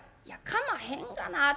「いやかまへんがな。